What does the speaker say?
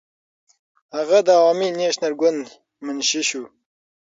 هغه د عوامي نېشنل ګوند منشي شو.